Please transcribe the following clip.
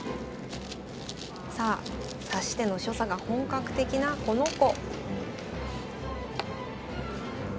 さあ指し手の所作が本格的なこの子。